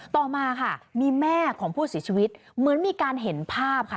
ต่อมาค่ะมีแม่ของผู้เสียชีวิตเหมือนมีการเห็นภาพค่ะ